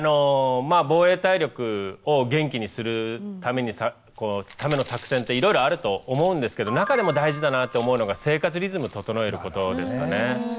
「防衛体力」を元気にするための作戦っていろいろあると思うんですけど中でも大事だなって思うのが生活リズム整えることですかね。